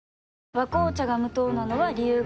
「和紅茶」が無糖なのは、理由があるんよ。